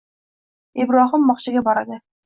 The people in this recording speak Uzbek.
Ibrohim bog'chaga boradi